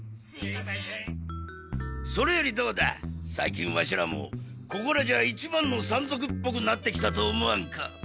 それよりどうださいきんワシらもここらじゃいちばんの山賊っぽくなってきたと思わんか？